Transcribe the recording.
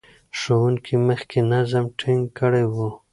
ښوونکي مخکې نظم ټینګ کړی و.